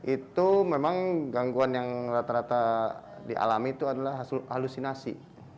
itu memang gangguan yang rata rata dialami itu adalah halusinasi